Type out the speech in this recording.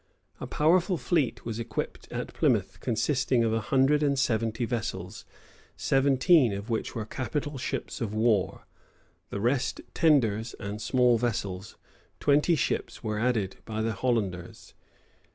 A powerful fleet was equipped at Plymouth, consisting of a hundred and seventy vessels, seventeen of which were capital ships of war, the rest tenders and small vessels: twenty ships were added by the Hollanders.